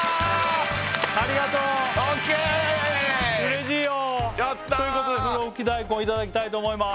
ありがとう嬉しいよＯＫということでふろふき大根いただきたいと思います